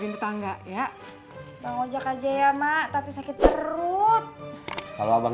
baik baik tetangga ya bang ojek aja ya mbak tati sakit perut kalau abang